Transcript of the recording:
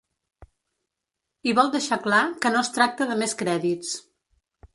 I vol deixar clar que no es tracta de més crèdits.